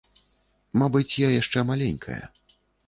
Мабыць, я яшчэ маленькая.